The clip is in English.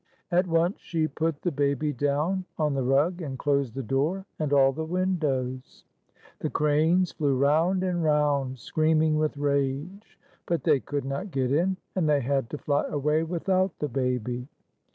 At once she put the baby down on the rug, and closed the door and all the windows. The cranes flew round and round, screaming with rage; but they could not get in, and they had to fly away without the baby.